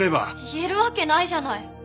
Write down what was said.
言えるわけないじゃない！